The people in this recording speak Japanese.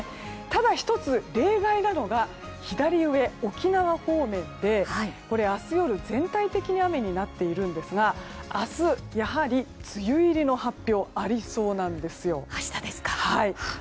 ただ１つ例外なのが左上、沖縄方面で明日夜全体的に雨になっているんですが明日、やはり梅雨入りの発表ありそうなんですよ。